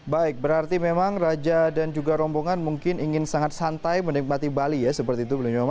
baik berarti memang raja dan juga rombongan mungkin ingin sangat santai menikmati bali ya seperti itu